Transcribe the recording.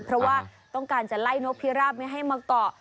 เพราะว่าต้องการจะไล่นกพิราบไม่ให้มาเกาะ